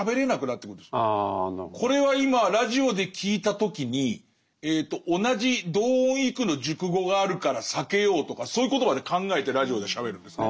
これは今ラジオで聴いた時に同じ同音異句の熟語があるから避けようとかそういうことまで考えてラジオではしゃべるんですね。